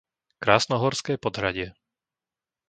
Krásnohorské Podhradie